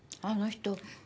あの人